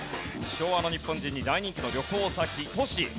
昭和の日本人に大人気の旅行先都市。